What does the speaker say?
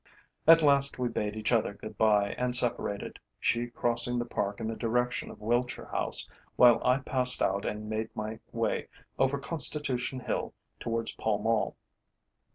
At last we bade each other good bye, and separated, she crossing the Park in the direction of Wiltshire House, while I passed out and made my way over Constitution Hill towards Pall Mall.